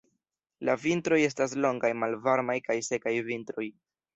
La vintroj estas longaj, malvarmaj kaj sekaj vintroj.